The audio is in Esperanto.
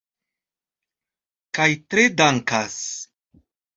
Kaj tre dankas.